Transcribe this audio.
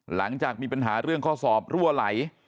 หลังจากมีปัญหาเรื่องข้อสอบรั่วไหล